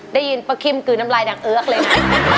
ได้ยินป้าคิมกลืนน้ำลายดังเอิ๊กเลยนะ